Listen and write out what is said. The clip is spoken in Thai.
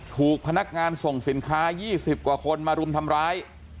ถูกพนักงานส่งสินค้า๒๐กว่าคนมารุมทำร้าย